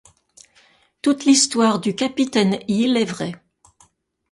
Toute l'histoire du capitaine Hill est vraie.